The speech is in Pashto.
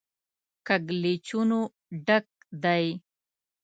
کږلېچونو ډک دی.